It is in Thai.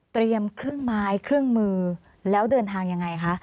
เครื่องไม้เครื่องมือแล้วเดินทางยังไงคะ